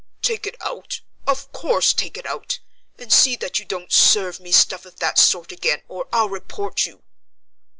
"Take it out? Of course take it out, and see that you don't serve me stuff of that sort again, or I'll report you."